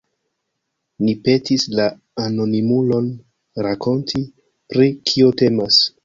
Ni petis la anonimulon rakonti, pri kio temas.